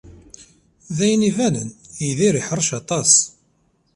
D ayen ibanen, Yidir iḥrec aṭas.